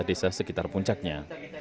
di desa sekitar puncaknya